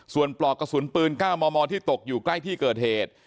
ส่วนปลอกกระสุนปืน๙มมที่ตกอยู่ใกล้ที่เกิดเหตุ